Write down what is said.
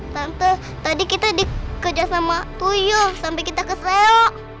tante tadi kita dikejar sama tujuan sampai kita kesel